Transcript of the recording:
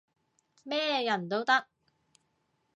咩人都得